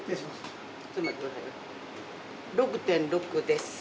６．６です。